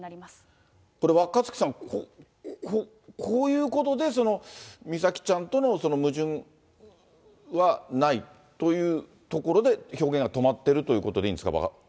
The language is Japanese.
これ、若槻さん、こういうことで、美咲ちゃんとの矛盾はないというところで、表現は止まってるということでいいんですか？